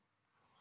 あ！